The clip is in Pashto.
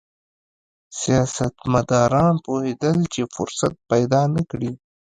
سیاستمداران پوهېدل چې فرصت پیدا نه کړي.